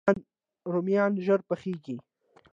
رومیان ژر پخیږي